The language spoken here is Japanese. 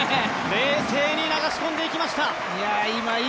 冷静に流し込んでいきました。